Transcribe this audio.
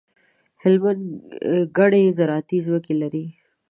هلمند ګڼي زراعتي ځمکي لري.